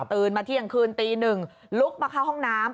มาเที่ยงคืนตีหนึ่งลุกมาเข้าห้องน้ำ